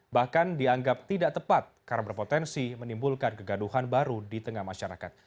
bahkan dianggap tidak tepat karena berpotensi menimbulkan kegaduhan baru di tengah masyarakat